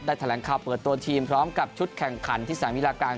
แถลงข่าวเปิดตัวทีมพร้อมกับชุดแข่งขันที่สนามิลาการ